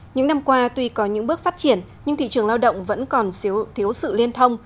những năm qua tuy có những bước phát triển nhưng thị trường lao động vẫn còn thiếu sự liên thông